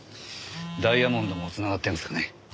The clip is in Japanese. ダイヤモンドも繋がってるんですかね？